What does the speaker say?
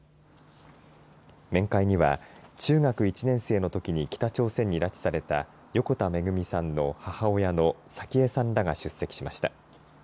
面会には中学１年生のときに北朝鮮に拉致された横田めぐみさんの母親の早紀江さんらが出席しました。